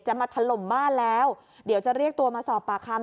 มาถล่มบ้านแล้วเดี๋ยวจะเรียกตัวมาสอบปากคำ